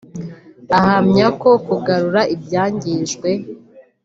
Ahamya ko Kugarura ibyangijwe